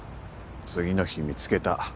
次の日見つけた。